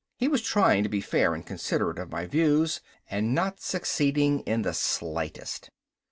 He was trying to be fair and considerate of my views, and not succeeding in the slightest.